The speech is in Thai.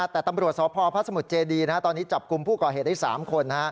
แต่ตำรวจสพพระสมุทรเจดีตอนนี้จับกลุ่มผู้ก่อเหตุได้๓คน